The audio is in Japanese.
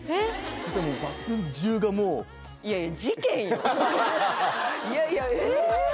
そしたらもうバス中がもういやいやえっ？